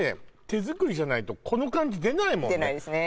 手作りじゃないとこの感じ出ないもん出ないですね